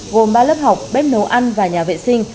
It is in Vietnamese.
gồm ba lớp học bếp nấu ăn và nhà vệ sinh